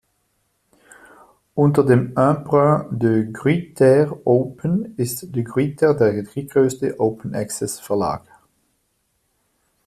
Unter dem Imprint De Gruyter Open ist De Gruyter der drittgrößte Open-Access-Verlag.